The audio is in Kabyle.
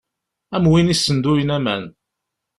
Am win issenduyen aman.